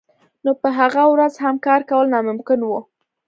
نو په هغه ورځ هم کار کول ناممکن وو